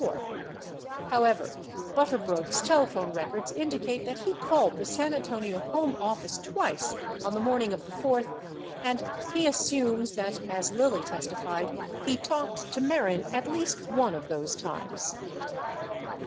46 However, Butter brodt's telephone records indicate that he called the San Antonio home office twice on the morning of the 4th and he assumes that, as Lilly testified, he talked to Mehren at least one of those times.